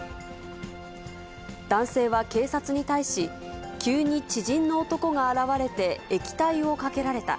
男性は警察に対し、急に知人の男が現れて液体をかけられた。